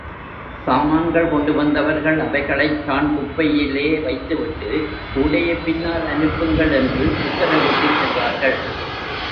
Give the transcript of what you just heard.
சாமான்கள் கொண்டு வந்தவர்கள் அவைகளைச் சாண் குப்பையிலே வைத்துவிட்டு, கூடையைப் பின்னால் அனுப்புங்கள் என்று உத்தரவிட்டுச் சென்றார்கள்.